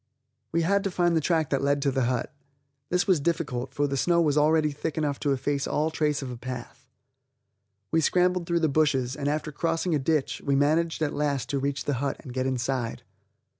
We had to find the track that led to the hut. This was difficult, for the snow was already thick enough to efface all trace of a path. We scrambled through the bushes, and after crossing a ditch, we managed at last to reach the hut and get inside.